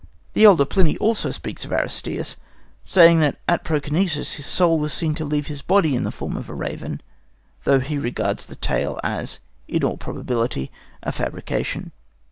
The elder Pliny also speaks of Aristeas, saying that at Proconesus his soul was seen to leave his body in the form of a raven, though he regards the tale as in all probability a fabrication.